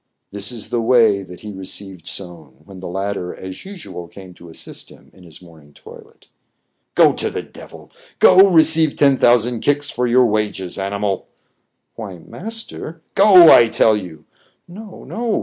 This is the way that he received Soun, when the latter as usual came to assist him in his morning toilet. "Go to the devil ! Go, receive ten thousand kicks for your wages, animal !"" Why, master "—" Go, I tell you !" "No, no!"